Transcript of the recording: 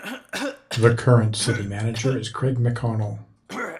The current city manager is Craig McConnell.